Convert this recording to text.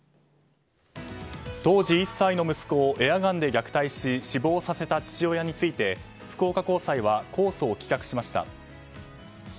当時１歳の息子をエアガンで虐待し死亡させた父親について福岡高裁は控訴を棄却しました。